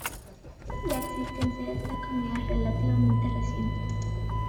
La existencia de esta comida es relativamente reciente.